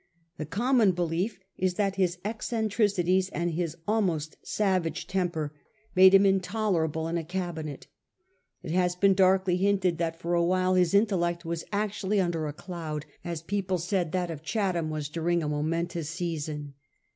The common belief is that his eccentricities and his almost savage temper made him VOL. I. D 34 A HISTORY OP OUR OWN TIMES. ch. n. intolerable in a cabinet. It has been darkly hinted that for a while his intellect was actually under a cloud, as people said that of Chatham was during a momentous season.